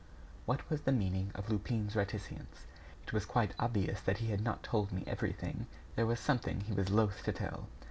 What was the meaning of Lupin's reticence? It was quite obvious that he had not told me everything; there was something he was loath to tell.